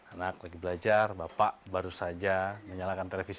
anak lagi belajar bapak baru saja menyalakan televisi